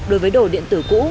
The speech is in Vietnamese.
đối với đồ điện tử cũ